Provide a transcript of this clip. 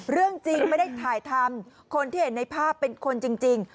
เรื่องจริงไม่ได้ถ่ายทำคนที่เห็นในภาพเป็นคนจริง